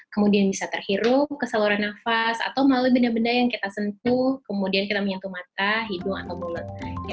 kemudian bisa terhirup ke saluran nafas atau melalui benda benda yang kita sentuh kemudian kita menyentuh mata hidung atau mulut